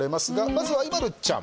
まずは、ＩＭＡＬＵちゃん。